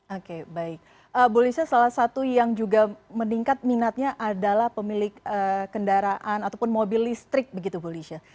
oke baik bulisha salah satu yang juga meningkat minatnya adalah pemilik kendaraan ataupun mobil listrik begitu bulisha